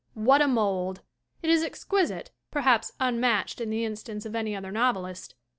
What a mold! It is exquisite, perhaps unmatched in the instance of any other novelist.